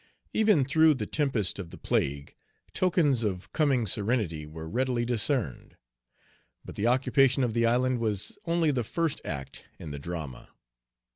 Even through the tempest of the plague, tokens of coming serenity were readily discerned. But the occupation of the island was only the first act in the drama.